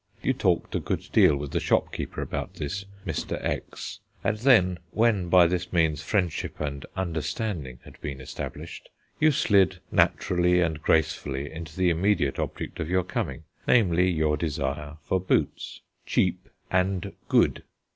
You talked a good deal with the shopkeeper about this "Mr. X," and then, when by this means friendship and understanding had been established, you slid naturally and gracefully into the immediate object of your coming, namely, your desire for boots, "cheap and good."